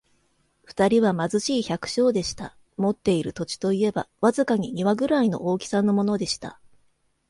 二人は貧しい百姓でした。持っている土地といえば、わずかに庭ぐらいの大きさのものでした。